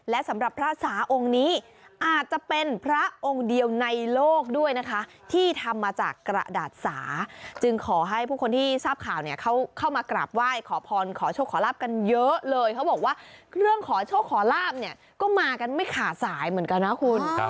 และสำหรับพระสาองค์นี้อาจจะเป็นพระองค์เดียวในโลกด้วยนะคะที่ทำมาจากกระดาษสาจึงขอให้ผู้คนที่ทราบข่าวเนี่ยเขาเข้ามากราบไหว้ขอพรขอโชคขอลาบกันเยอะเลยเขาบอกว่าเครื่องขอโชคขอลาบเนี่ยก็มากันไม่ขาดสายเหมือนกันนะคุณ